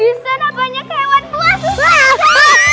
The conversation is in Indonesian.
di sana banyak hewan buas